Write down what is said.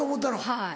はい。